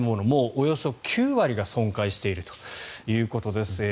もうおよそ９割が損壊しているということです。